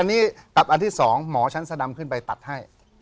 อันนี้ตัดอันที่๒หมอชั้นสดำขึ้นไปตัดให้